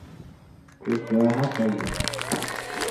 Ti zaaha pa yim.